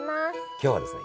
今日はですね